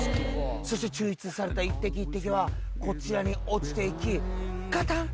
そして抽出された一滴一滴はこちらに落ちていき